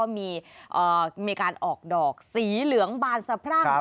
มีการออกดอกสีเหลืองบานสะพรั่ง